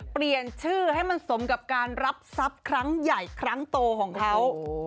เปลี่ยนชื่อให้มันสมกับการรับทรัพย์ครั้งใหญ่ครั้งโตของเขา